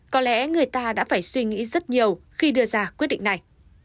có lẽ người ta đã phải suy nghĩ rất nhiều khi đưa ra quyết định này